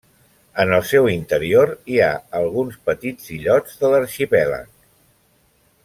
En el seu interior hi ha alguns petits illots de l'arxipèlag.